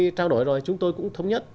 chúng tôi đã đổi rồi chúng tôi cũng thống nhất